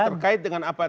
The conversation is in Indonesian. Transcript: terkait dengan apa